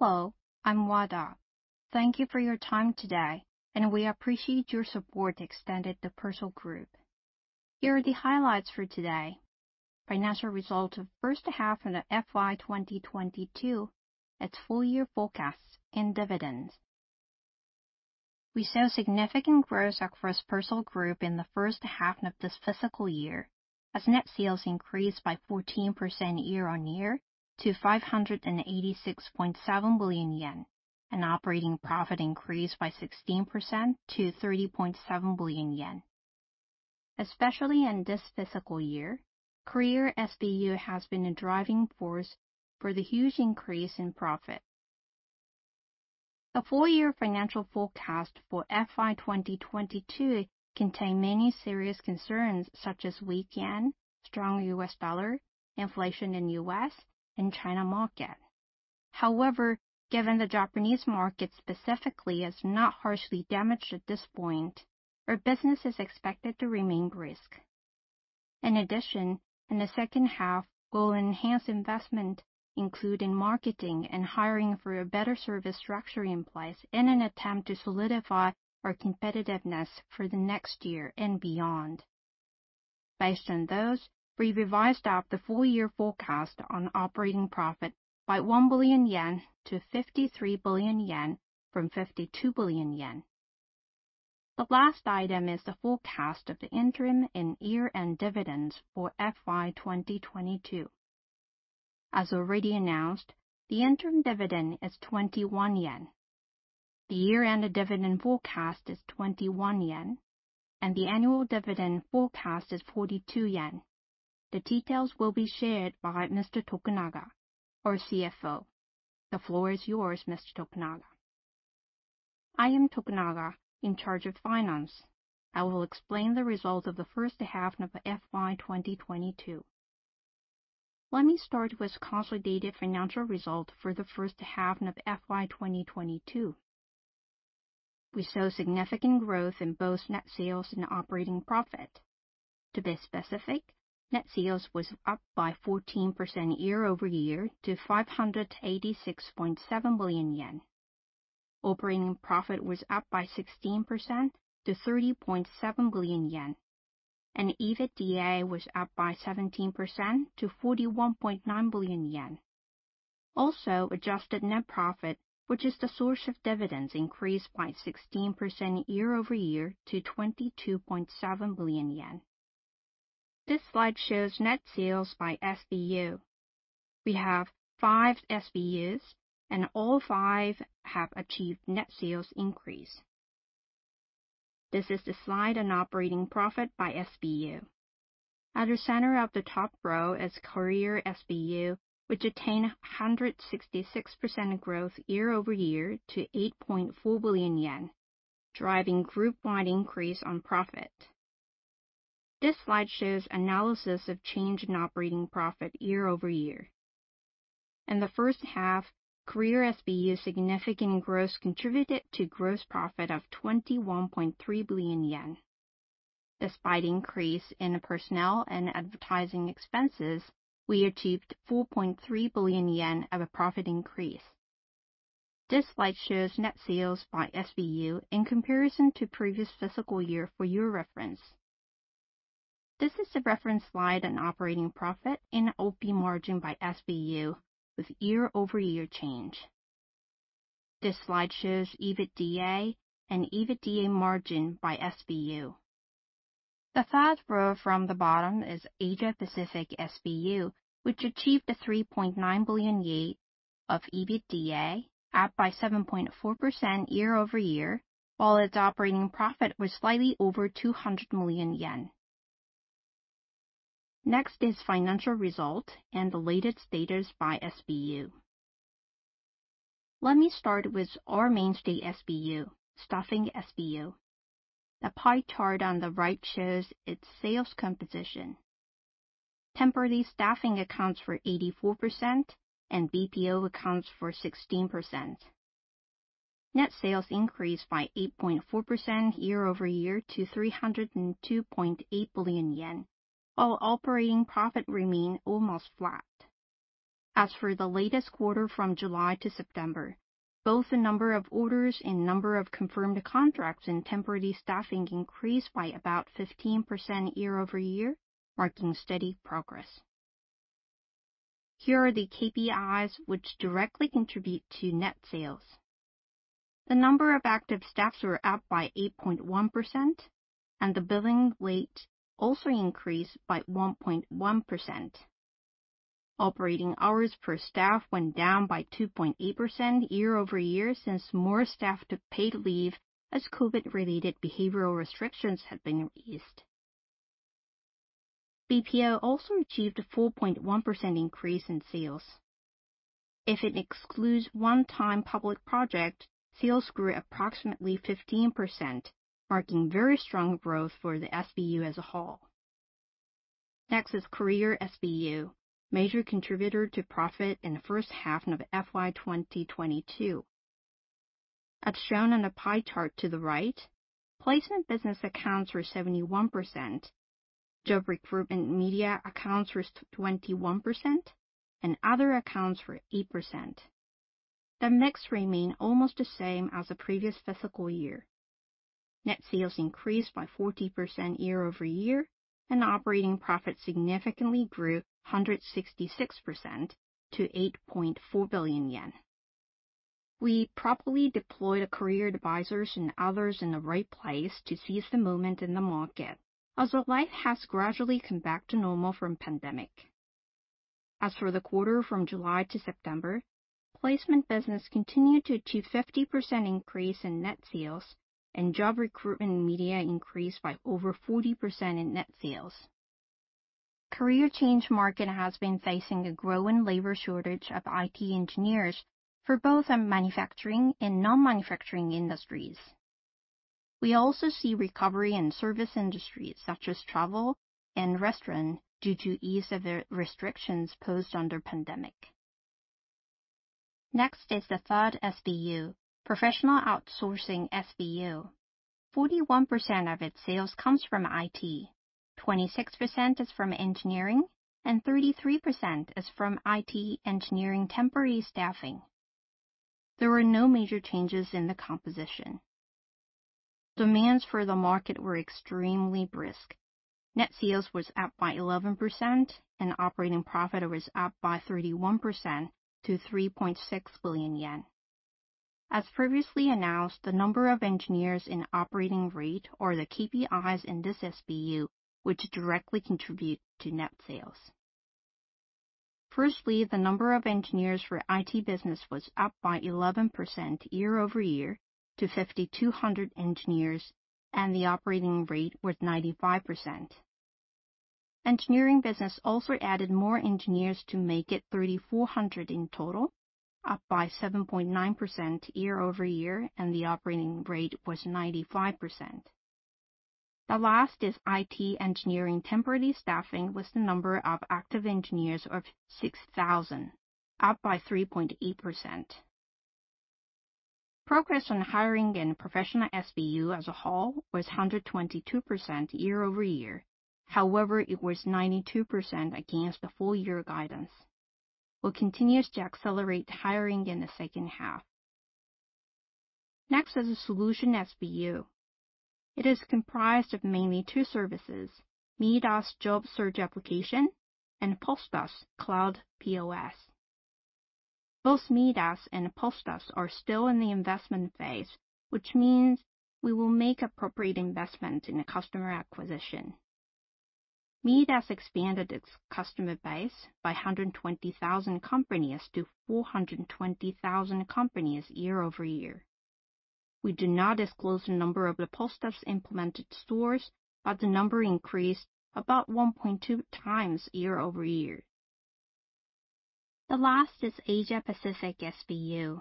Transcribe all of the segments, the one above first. Hello, I'm Wada. Thank you for your time today, and we appreciate your support to PERSOL Group. Here are the highlights for today. Financial results of first half of FY 2022, its full-year forecasts, and dividends. We saw significant growth across PERSOL Group in the first half of this fiscal year, as net sales increased by 14% year-on-year to 586.7 billion yen. Operating profit increased by 16% to 30.7 billion yen. Especially in this fiscal year, Career SBU has been a driving force for the huge increase in profit. The full-year financial forecast for FY 2022 contain many serious concerns such as weak yen, strong U.S. Dollar, inflation in U.S. and China market. However, given the Japanese market specifically is not harshly damaged at this point, our business is expected to remain brisk. In addition, in the second half, we'll enhance investment, including marketing and hiring for a better service structure in place in an attempt to solidify our competitiveness for the next year and beyond. Based on those, we revised up the full year forecast on operating profit by 1 billion yen to 53 billion yen from 52 billion yen. The last item is the forecast of the interim and year-end dividends for FY 2022. As already announced, the interim dividend is 21 yen. The year-end dividend forecast is 21 yen, and the annual dividend forecast is 42 yen. The details will be shared by Mr. Tokunaga, our CFO. The floor is yours, Mr. Tokunaga. I am Tokunaga, in charge of finance. I will explain the results of the first half of FY 2022. Let me start with consolidated financial result for the first half of FY 2022. We saw significant growth in both net sales and operating profit. To be specific, net sales was up by 14% year-over-year to 586.7 billion yen. Operating profit was up by 16% to 30.7 billion yen, and EBITDA was up by 17% to 41.9 billion yen. Also, adjusted net profit, which is the source of dividends, increased by 16% year-over-year to 22.7 billion yen. This slide shows net sales by SBU. We have five SBUs, and all five have achieved net sales increase. This is the slide on operating profit by SBU. At the center of the top row is Career SBU, which attained 166% growth year-over-year to 8.4 billion yen, driving group-wide increase in profit. This slide shows analysis of change in operating profit year-over-year. In the first half, Career SBU's significant growth contributed to gross profit of 21.3 billion yen. Despite increase in personnel and advertising expenses, we achieved 4.3 billion yen of a profit increase. This slide shows net sales by SBU in comparison to previous fiscal year for your reference. This is the reference slide on operating profit and OP margin by SBU with year-over-year change. This slide shows EBITDA and EBITDA margin by SBU. The third row from the bottom is Asia Pacific SBU, which achieved a 3.9 billion yen of EBITDA, up by 7.4% year-over-year, while its operating profit was slightly over 200 million yen. Next is financial result and the latest status by SBU. Let me start with our mainstay SBU, Staffing SBU. The pie chart on the right shows its sales composition. Temporary staffing accounts for 84%, and BPO accounts for 16%. Net sales increased by 8.4% year-over-year to 302.8 billion yen, while operating profit remained almost flat. As for the latest quarter from July to September, both the number of orders and number of confirmed contracts in temporary staffing increased by about 15% year-over-year, marking steady progress. Here are the KPIs which directly contribute to net sales. The number of active staffs were up by 8.1%, and the billing rate also increased by 1.1%. Operating hours per staff went down by 2.8% year-over-year since more staff took paid leave as COVID-related behavioral restrictions have been eased. BPO also achieved a 4.1% increase in sales. If it excludes one-time public project, sales grew approximately 15%, marking very strong growth for the SBU as a whole. Next is Career SBU, major contributor to profit in the first half of FY 2022. As shown on the pie chart to the right, placement business accounts for 71%, job recruitment media accounts for 21%, and other accounts for 8%. The mix remain almost the same as the previous fiscal year. Net sales increased by 40% year-over-year, and operating profit significantly grew 166% to 8.4 billion yen. We properly deployed the career advisors and others in the right place to seize the moment in the market, as life has gradually come back to normal from pandemic. As for the quarter from July to September, placement business continued to achieve 50% increase in net sales and job recruitment media increased by over 40% in net sales. Career change market has been facing a growing labor shortage of IT engineers for both manufacturing and non-manufacturing industries. We also see recovery in service industries such as travel and restaurant due to ease of the restrictions posed under pandemic. Next is the third SBU, Professional Outsourcing SBU. 41% of its sales comes from IT, 26% is from Engineering, and 33% is from IT Engineering Temporary Staffing. There were no major changes in the composition. Demands for the market were extremely brisk. Net sales was up by 11% and operating profit was up by 31% to 3.6 billion yen. As previously announced, the number of engineers and operating rate or the KPIs in this SBU, which directly contribute to net sales. Firstly, the number of engineers for IT business was up by 11% year-over-year to 5,200 engineers, and the operating rate was 95%. Engineering business also added more engineers to make it 3,400 in total, up by 7.9% year-over-year, and the operating rate was 95%. The last is IT Engineering Temporary Staffing with the number of active engineers of 6,000, up by 3.8%. Progress on hiring in Staffing SBU as a whole was 122% year-over-year. However, it was 92% against the full year guidance. We'll continue to accelerate hiring in the second half. Next is the BPO SBU. It is comprised of mainly two services: MIIDAS job search application and POS+ cloud POS. Both MIIDAS and POS+ are still in the investment phase, which means we will make appropriate investment in the customer acquisition. MIIDAS expanded its customer base by 120,000 companies to 420,000 companies year-over-year. We do not disclose the number of the POS+ implemented stores, but the number increased about 1.2x year-over-year. The last is Asia Pacific SBU.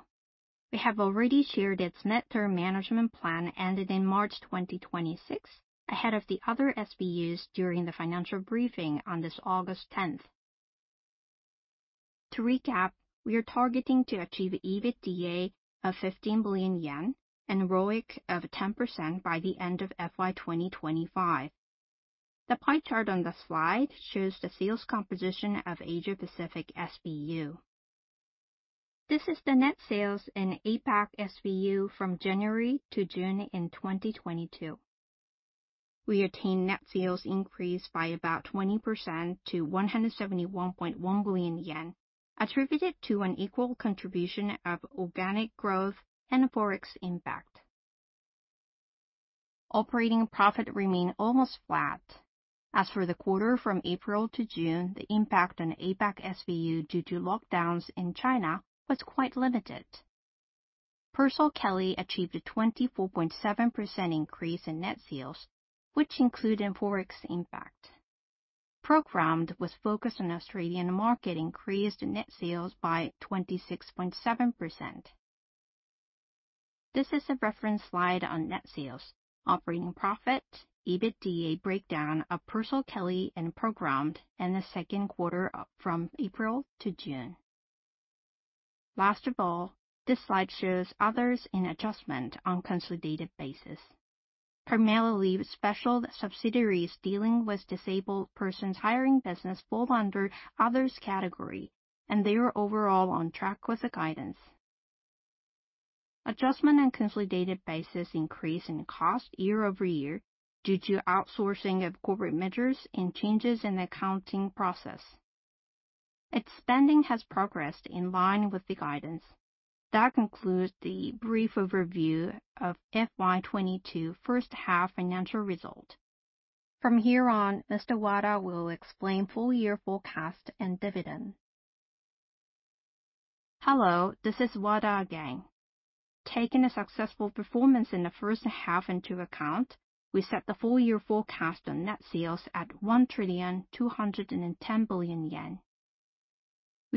We have already shared its mid-term management plan ending March 2026 ahead of the other SBUs during the financial briefing on August 10. To recap, we are targeting to achieve EBITDA of 15 billion yen and ROIC of 10% by the end of FY 2025. The pie chart on the slide shows the sales composition of Asia Pacific SBU. This is the net sales in APAC SBU from January to June in 2022. We attained net sales increase by about 20% to 171.1 billion yen, attributed to an equal contribution of organic growth and Forex impact. Operating profit remained almost flat. As for the quarter from April to June, the impact on APAC SBU due to lockdowns in China was quite limited. PERSOLKELLY achieved a 24.7% increase in net sales, which included Forex impact. Programmed, which focused on Australian market, increased net sales by 26.7%. This is a reference slide on net sales, operating profit, EBITDA breakdown of PERSOLKELLY and Programmed in the second quarter from April to June. Last of all, this slide shows others and adjustment on consolidated basis. Special subsidiaries dealing with disabled persons hiring business fall under others category, and they are overall on track with the guidance. On adjusted and consolidated basis, increase in costs year-over-year due to outsourcing of corporate measures and changes in the accounting process. IT spending has progressed in line with the guidance. That concludes the brief overview of FY 2022 first half financial result. From here on, Mr. Wada will explain full year forecast and dividend. Hello, this is Wada again. Taking a successful performance in the first half into account, we set the full year forecast on net sales at 1.21 trillion.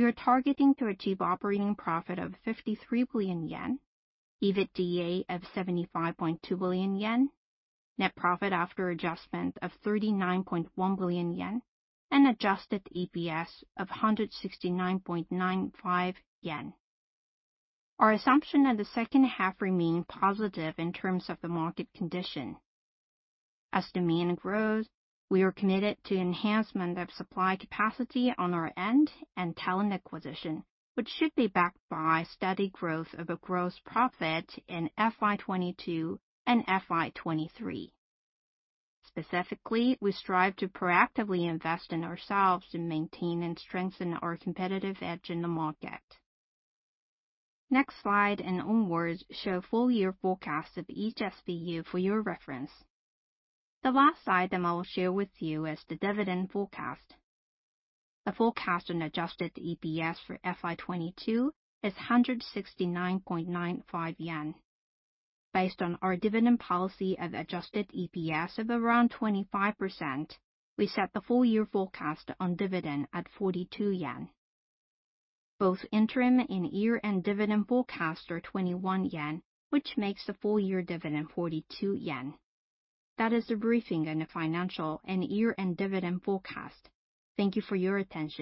We are targeting to achieve operating profit of 53 billion yen, EBITDA of 75.2 billion yen, net profit after adjustment of 39.1 billion yen, and adjusted EPS of 169.95 yen. Our assumption in the second half remain positive in terms of the market condition. As demand grows, we are committed to enhancement of supply capacity on our end and talent acquisition, which should be backed by steady growth of a gross profit in FY 2022 and FY 2023. Specifically, we strive to proactively invest in ourselves to maintain and strengthen our competitive edge in the market. Next slide and onwards show full year forecasts of each SBU for your reference. The last item I will share with you is the dividend forecast. The forecast on adjusted EPS for FY 2022 is 169.95 yen. Based on our dividend policy of adjusted EPS of around 25%, we set the full year forecast on dividend at JPY 42. Both interim and year-end dividend forecast are JPY 21, which makes the full year dividend JPY 42. That is the briefing on the financial and year-end dividend forecast. Thank you for your attention.